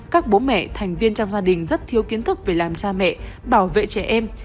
các bố mẹ thành viên trong gia đình rất thiếu kiến thức về làm cha mẹ bảo vệ trẻ em